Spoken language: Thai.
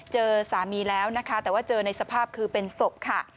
เจอสามีแล้วนะคะแต่ว่าเจอในสภาพคือเป็นศพค่ะ